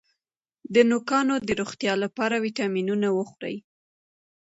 د نوکانو د روغتیا لپاره ویټامینونه وخورئ